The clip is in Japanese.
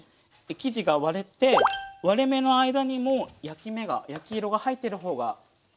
生地が割れて割れ目の間にも焼き目が焼き色が入っている方が理想です。